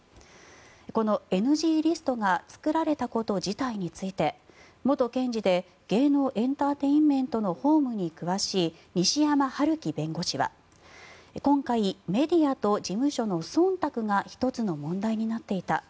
このＮＧリストが作られたこと自体について元検事で芸能エンターテインメントの法務に詳しい西山晴基弁護士は今回、メディアと事務所のそんたくが１つの問題になっていた。